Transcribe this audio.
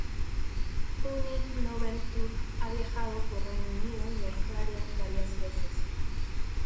Un Ig Nobel Tour ha viajado por Reino Unido y Australia varias veces.